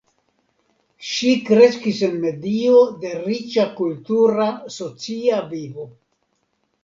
Ŝi kreskis en medio de riĉa kultura socia vivo.